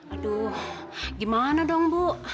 aduh gimana dong bu